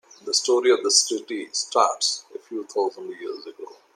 The story of the city starts a few thousand years ago.